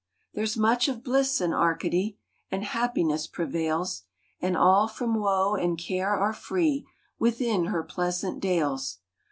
There s much of bliss in Arcady, And happiness prevails, And all from woe and care are free Within her pleasant dales.